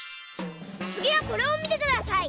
つぎはこれをみてください。